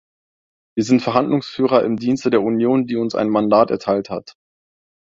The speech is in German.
Wir sind Verhandlungsführer im Dienste der Union, die uns ein Mandat erteilt hat.